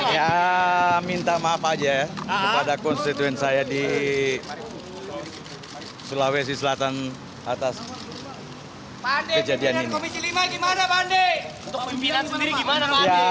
ya minta maaf aja ya kepada konstituen saya di sulawesi selatan atas kejadiannya